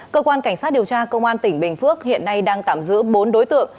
cơ quan cảnh sát điều tra công an tỉnh bình phước hiện nay đang tạm giữ bốn đối tượng